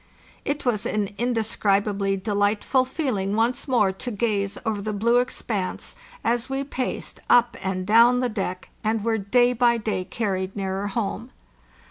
It was an indescribably delightful feeling once more to gaze over the blue ex panse, as we paced up and down the deck, and were day by day carried nearer home.